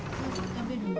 食べるね。